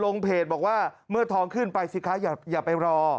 ลงเพจบอกว่าเมื่อทองขึ้นไปสิคะอย่าไปรอ